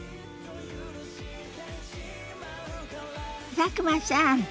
佐久間さん